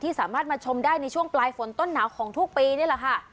สามารถมาชมได้ในช่วงปลายฝนต้นหนาวของทุกปีนี่แหละค่ะ